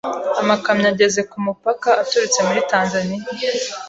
amakamyo ageze ku mupaka aturutse muri Tanzania.